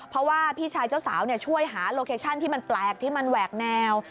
เพราะว่าพี่ชายเจ้าสาวช่วยหาโลเคชั่นที่มันแปลกที่มันแหวกแนว